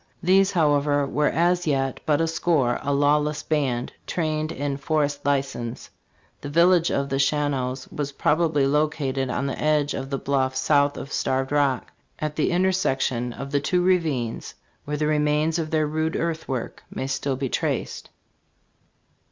These, however, were as yet but a score; a lawless band, trained in forest license."* The village of the Shawanoes was probably located on the edge of the bluff south of Starved Rock, at the intersection of the two ravines, where the remains of their rude earthwork may still be traced.